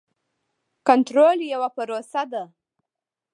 کنټرول یوه پروسه ده.